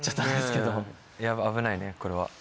危ないねこれは。